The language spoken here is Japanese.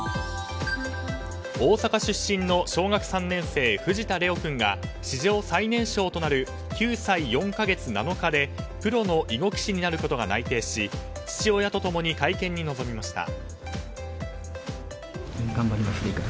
大阪出身の小学３年生藤田怜央君が史上最年少となる９歳４か月７日でプロの囲碁棋士になることが内定し父親と共に会見に臨みました。